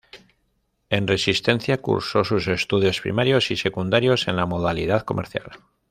En Resistencia cursó sus estudios primarios y secundarios en la modalidad comercial.